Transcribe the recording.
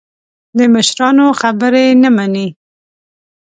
د مشرانو خبرې نه مني.